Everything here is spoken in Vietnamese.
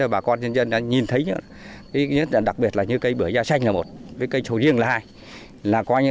bà con nhân dân nhìn thấy đặc biệt như cây bưởi da xanh là một cây sầu riêng là hai